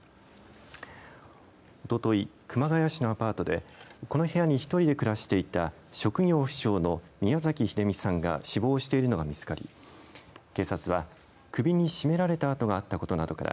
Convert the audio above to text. おととい、熊谷市のアパートでこの部屋に１人で暮らしていた職業不詳の宮崎英美さんが死亡しているのが見つかり警察は首に絞められた跡があったことなどから